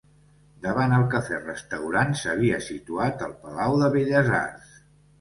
Davant el cafè restaurant s'havia situat el palau de Belles Arts.